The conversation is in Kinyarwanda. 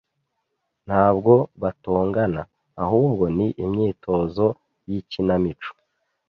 Ntabwo batongana, ahubwo ni imyitozo yikinamico.